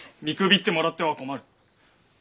見くびってもらっては困る。